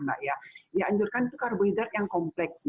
dianjurkan itu karbohidrat yang kompleks